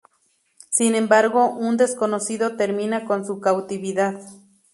Sin embargo, un desconocido termina con su cautividad.